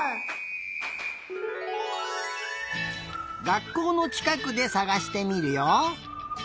がっこうのちかくでさがしてみるよ。